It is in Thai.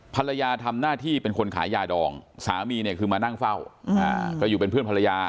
ภรรยาทำหน้าที่เป็นคนขายยาดองสามีเนี่ยคือมานั่งเฝ้าก็อยู่เป็นเพื่อนภรรยา